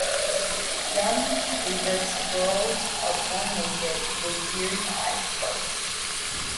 Young Abert's squirrels are born naked, with ears and eyes closed.